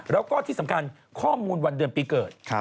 แล้วก็ที่สำคัญข้อมูลวันเดือนปีเกิด